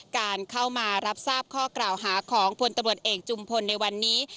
การเข้ามารับทราบข้อกล่าวหาของพลตำรวจเอกจุมพลในวันนี้